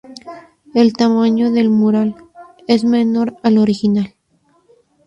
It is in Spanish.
El tamaño del mural es menor al original.